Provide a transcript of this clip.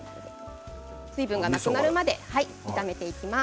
水分がなくなるまで炒めていきます。